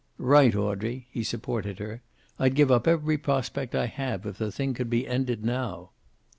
"Right, Audrey," he supported her. "I'd give up every prospect I have if the thing could be ended now."